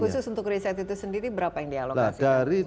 khusus untuk riset itu sendiri berapa yang dialokasi